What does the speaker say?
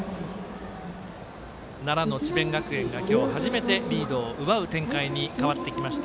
奈良の智弁学園が今日初めてリードを奪う展開に変わってきました。